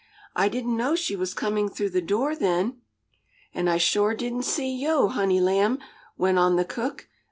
"I didn't know she was coming through the door then." "And I shore didn't see yo', honey lamb," went on the cook.